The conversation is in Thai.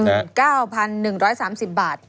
คุณนิวจดไว้หมื่นบาทต่อเดือนมีค่าเสี่ยงให้ด้วย